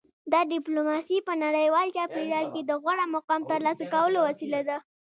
دا ډیپلوماسي په نړیوال چاپیریال کې د غوره مقام ترلاسه کولو وسیله ده